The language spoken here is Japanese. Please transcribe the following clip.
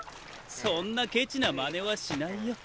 そんなケチなまねはしないよ。